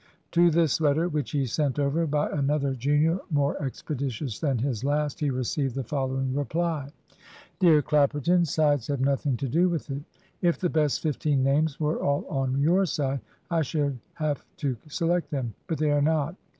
To this letter, which he sent over by another junior, more expeditious than his last, he received the following reply: "Dear Clapperton, Sides have nothing to do with it. If the best fifteen names were all on your side, I should have to select them. But they are not.